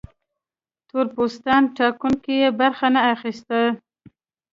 تور پوستان ټاکنو کې برخه نه اخیسته.